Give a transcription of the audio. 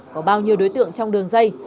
có bao nhiêu đối tượng trong đường dây